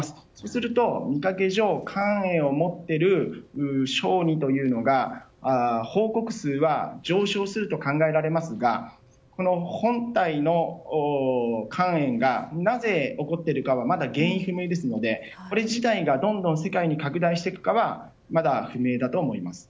すると、見かけ上肝炎を持っている小児というのが報告数は上昇すると考えられますが本体の肝炎がなぜ起こっているかはまだ原因不明ですのでこれ自体がどんどん世界に拡大していくかはまだ不明だと思います。